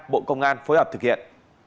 bộ công an phối hợp thực hiện